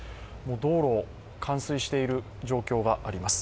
道路、冠水している状況があります